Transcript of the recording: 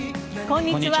こんにちは。